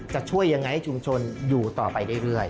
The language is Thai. จะช่วยยังไงให้ชุมชนอยู่ต่อไปเรื่อย